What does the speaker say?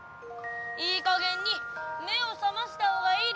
いい加減に目を覚ましたほうがいいですよ。